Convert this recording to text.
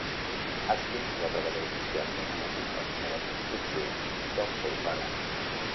Atkins va treballar inicialment a la companyia de construcció del seu pare.